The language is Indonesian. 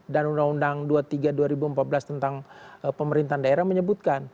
dan undang undang dua puluh tiga dua ribu empat belas tentang pemerintahan daerah menyebutkan